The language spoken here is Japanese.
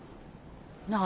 何？